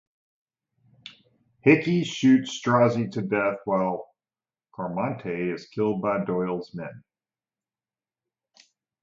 Hickey shoots Strozzi to death, while Carmonte is killed by Doyle's men.